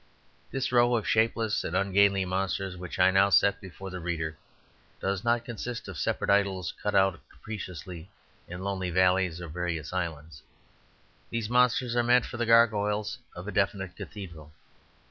This row of shapeless and ungainly monsters which I now set before the reader does not consist of separate idols cut out capriciously in lonely valleys or various islands. These monsters are meant for the gargoyles of a definite cathedral.